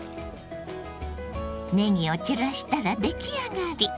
ねぎを散らしたら出来上がり。